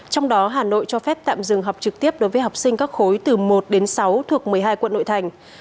trong đó hà nội cho phép tạm dừng học trực tiếp đối với học sinh các khối từ một đến sáu thuộc một mươi hai quận nội thành